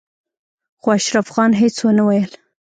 خو اشرف خان هېڅ ونه ويل.